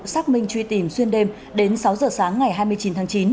xác minh truy tìm xuyên đêm đến sáu giờ sáng ngày hai mươi chín tháng chín